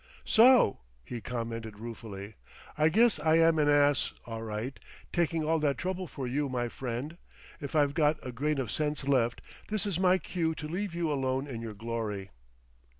"So!" he commented ruefully. "I guess I am an ass, all right taking all that trouble for you, my friend. If I've got a grain of sense left, this is my cue to leave you alone in your glory."